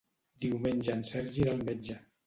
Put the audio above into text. Diumenge en Sergi irà al metge.